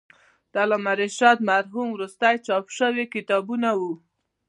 د علامه رشاد مرحوم وروستي چاپ شوي کتابونه و.